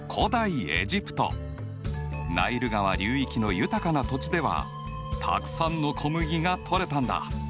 ナイル川流域の豊かな土地ではたくさんの小麦がとれたんだ。